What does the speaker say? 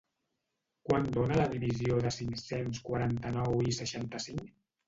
Quant dona la divisió de cinc-cents quaranta-nou i seixanta-cinc?